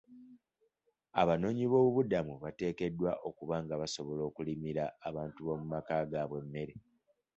Abanoonyi b'obubuddamu bateekeddwa okuba nga basobola okulimira abantu b'omu maka gaabwe emmere.